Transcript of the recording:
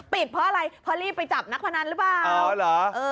ปิดเพราะอะไรเพราะรีบไปจับนักพนันหรือเปล่า